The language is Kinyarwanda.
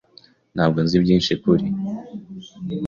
Ntabwo nzi byinshi kuri .